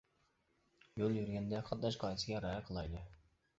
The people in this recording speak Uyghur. يول يۈرگەندە قاتناش قائىدىسىگە رىئايە قىلايلى!